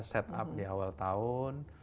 set up di awal tahun